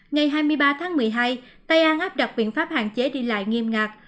ngày hai mươi ba tháng một mươi hai tây an áp đặt biện pháp hạn chế đi lại nghiêm ngạc